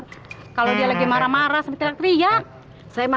dia nggak bisa tidur kalau dia lagi marah marah setelah pria saya maha